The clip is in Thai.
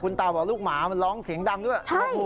ตาบอกลูกหมามันร้องเสียงดังด้วย